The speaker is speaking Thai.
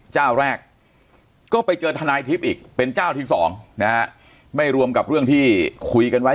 เจ้าแรกก็ไปเจอทนายทิพย์อีกเป็นเจ้าที่สองนะฮะไม่รวมกับเรื่องที่คุยกันไว้